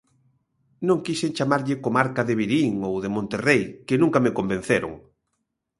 Non quixen chamarlle comarca de Verín ou de Monterrei, que nunca me convenceron.